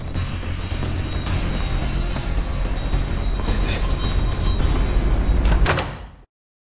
先生。